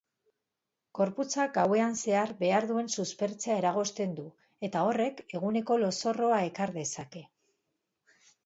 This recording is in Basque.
Gorputzak gauean zehar behar duen suspertzea eragozten du, eta horrek eguneko lozorroa ekar dezake.